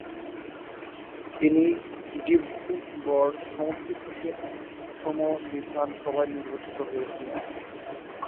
তিনি ডিব্রুগড় সমষ্টি থেকে অসম বিধান সভায় নির্বাচিত হয়েছিলেন।